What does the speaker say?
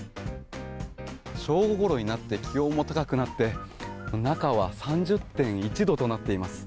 正午ごろになって気温も高くなって中は３０．１度となっています。